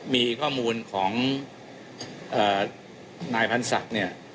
มีข้อมูลของนายพรรษักษ์เนี่ย